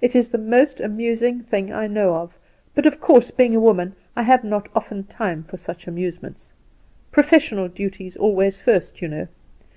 It is the most amusing thing I know of; but of course, being a woman, I have not often time for such amusements. Professional duties always first, you know.